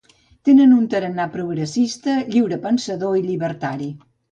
Tenen un tarannà progressista, lliurepensador i llibertari.